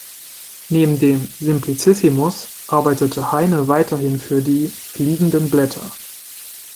Neben dem "Simplicissimus" arbeitete Heine weiterhin für die "Fliegenden Blätter".